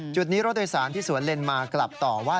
จุดนี้รถโดยสารที่สวนเลนมากลับต่อว่า